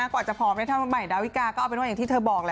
กว่าจะพร้อมได้เท่าใหม่ดาวิกาก็เอาเป็นว่าอย่างที่เธอบอกแหละ